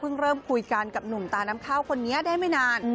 เริ่มคุยกันกับหนุ่มตาน้ำข้าวคนนี้ได้ไม่นาน